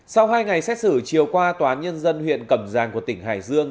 sau hai ngày xét xử chiều qua tòa án nhân dân huyện cẩm giang của tỉnh hải dương